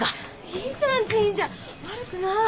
悪くない。